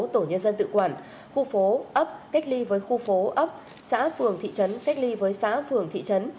tổ nhân dân tự quản khu phố ấp cách ly với khu phố ấp xã phường thị trấn cách ly với xã phường thị trấn